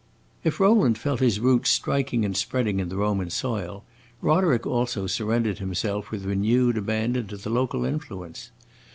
If Rowland felt his roots striking and spreading in the Roman soil, Roderick also surrendered himself with renewed abandon to the local influence.